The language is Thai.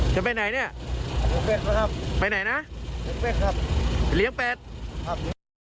จะไปไหนเนี่ยครับไปไหนนะเลี้ยงแปดครับ